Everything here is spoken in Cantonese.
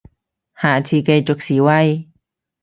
下次繼續示威